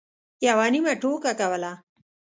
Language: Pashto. یوه نیمه ټوکه کوله.